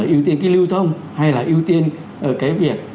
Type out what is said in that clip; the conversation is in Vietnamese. ưu tiên cái lưu thông hay là ưu tiên cái việc